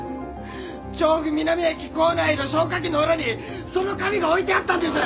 調布南駅構内の消火器の裏にその紙が置いてあったんです。